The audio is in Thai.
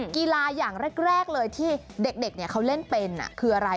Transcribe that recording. กีฬาอย่างแรกเลยที่เด็กเขาเล่นเป็นคืออะไร